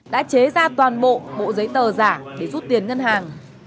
đã chế ra toàn bộ bộ giấy tờ giả để rút tiền ngân hàng